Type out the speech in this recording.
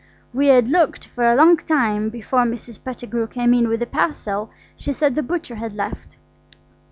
We had looked for a long time before Mrs. Pettigrew came in with a parcel she said the butcher had left.